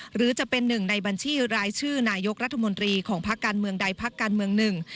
หรือจะเป็นหนึ่งในบัญชีรายชื่อนายกรัฐมนตรีของพักการเมืองใดพักการเมืองหนึ่ง